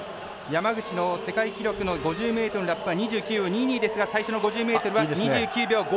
山口の世界記録の５０ｍラップは２９秒２２ですが最初の５０ｍは２９秒５８。